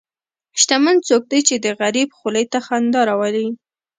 شتمن څوک دی چې د غریب خولې ته خندا راولي.